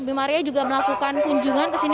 bimaria juga melakukan kunjungan kesini